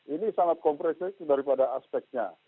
ini sangat kompresif daripada aspeknya